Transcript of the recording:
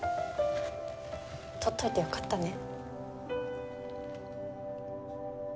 撮っといてよかったね。